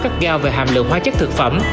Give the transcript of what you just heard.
các gạo về hàm lượng hóa chất thực phẩm